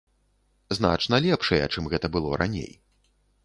Значна лепшыя, чым гэта было раней.